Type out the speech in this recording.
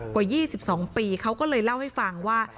กว่า๒๒ปีเขาก็เลยเล่าให้ฟังว่า